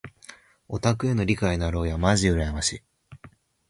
オタクへの理解のある親まじ羨ましい。